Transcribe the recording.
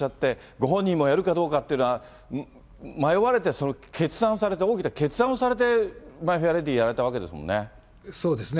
ご本人もやるかどうかっていうのは、迷われて、決断されて、大きな決断をされて、マイ・フェア・レディをやられたわけですよね。